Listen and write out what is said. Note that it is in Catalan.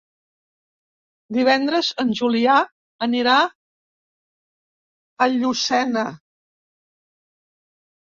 Divendres en Julià anirà a Llucena.